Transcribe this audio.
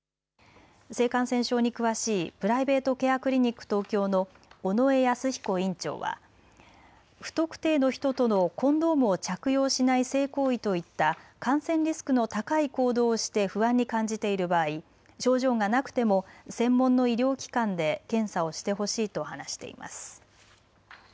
性感染症に詳しいプライベートケアクリニック東京の尾上泰彦院長は不特定の人とのコンドームを着用しない性行為といった感染リスクの高い行動をして不安に感じている場合、症状がなくても専門の医療機関で検査をしてほしいと話しています。